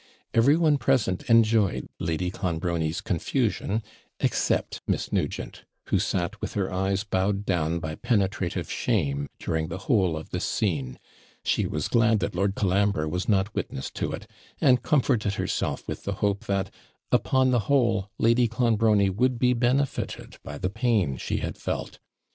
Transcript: Every one present enjoyed Lady Clonbrony's confusion, except Miss Nugent, who sat with her eyes bowed down by penetrative shame during the whole of this scene; she was glad that Lord Colambre was not witness to it; and comforted herself with the hope that, upon the whole, Lady Clonbrony would be benefited by the pain she had felt.